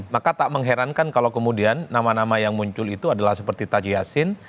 maka tak mengherankan kalau kemudian nama nama yang muncul itu adalah seperti taji yassin